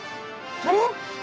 あれ？